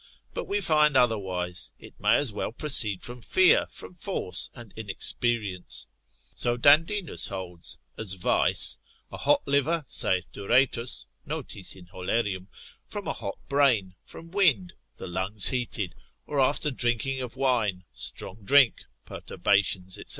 But we find otherwise, it may as well proceed from fear, from force and inexperience, (so Dandinus holds) as vice; a hot liver, saith Duretus (notis in Hollerium:) from a hot brain, from wind, the lungs heated, or after drinking of wine, strong drink, perturbations, &c.